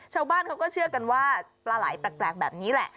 ชาวบ้านเขาก็เชื่อกันว่าปลาไหลแปลกแบบนี้แหละ